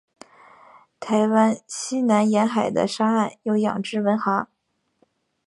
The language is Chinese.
台湾西南沿海的沙岸有养殖文蛤。